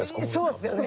そうですよね。